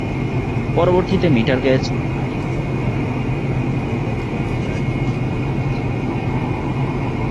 পরবর্তীতে metre gauge Alipurduar Bamanhat Golakganj রেলপথটি নির্মিত হয়ে ছিল।